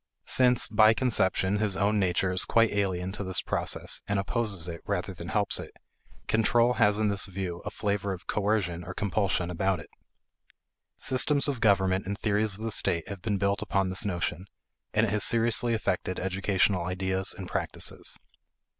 Since, by conception, his own nature is quite alien to this process and opposes it rather than helps it, control has in this view a flavor of coercion or compulsion about it. Systems of government and theories of the state have been built upon this notion, and it has seriously affected educational ideas and practices.